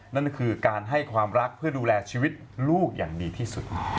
นั่นคือการให้ความรักเพื่อดูแลชีวิตลูกอย่างดีที่สุด